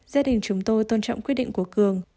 gia đình chúng tôi tôn trọng quyết định của cường